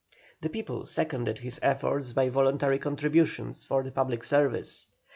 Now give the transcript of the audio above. The people seconded his efforts by voluntary contributions for the public service.